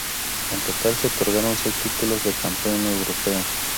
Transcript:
En total se otorgaron seis títulos de campeón europeo.